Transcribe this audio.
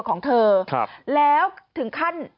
ของเธอแล้วถึงขั้น